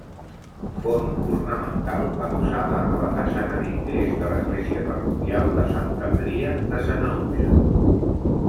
Font ornamental adossada a la façana d'ingrés de l'església parroquial de Santa Maria de Sanaüja.